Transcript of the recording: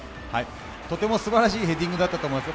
とても素晴らしいヘディングだったと思います。